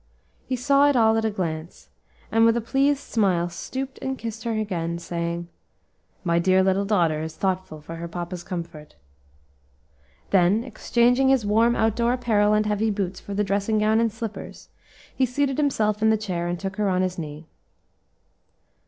He saw it all at a glance, and with a pleased smile, stooped and kissed her again, saying, "My dear little daughter is very thoughtful for her papa's comfort." Then exchanging his warm out door apparel and heavy boots for the dressing gown and slippers, he seated himself in the chair and took her on his knee.